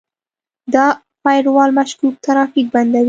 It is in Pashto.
دا فایروال مشکوک ترافیک بندوي.